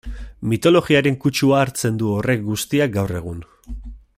Mitologiaren kutsua hartzen du horrek guztiak gaur egun...